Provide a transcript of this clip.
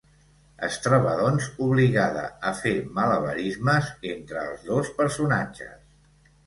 Es troba doncs obligada a fer malabarismes entre els dos personatges.